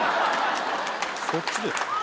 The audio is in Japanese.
そっちです